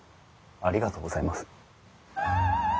ありがとうございます。